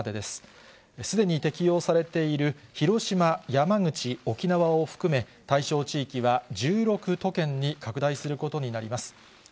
すでに適用されている広島、山口、沖縄を含め、対象地域は１６都県に拡大することになります。